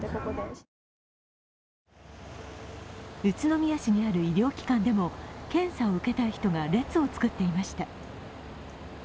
宇都宮市にある医療機関でも検査を受けたい人が列を作っていました。